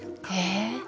え。